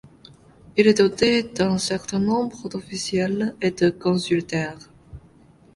Il est doté d'un certain nombre d'officiels et de consulteurs.